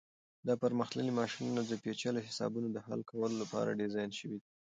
دا پرمختللي ماشینونه د پیچلو حسابونو د حل کولو لپاره ډیزاین شوي دي.